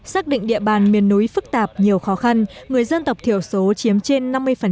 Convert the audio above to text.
xác định địa bàn miền núi phức tạp nhiều khó khăn người dân tộc thiểu số chiếm trên năm mươi